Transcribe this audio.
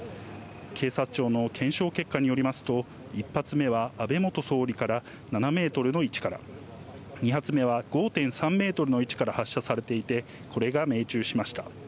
警察庁の検証結果によりますと、１発目は安倍元総理から７メートルの位置から、２発目は５．３メートルの位置から発射されていて、これが命中しました。